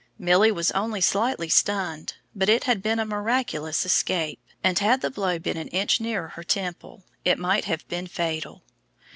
Milly was only slightly stunned, but it had been a miraculous escape, and had the blow been an inch nearer her temple it might have been fatal.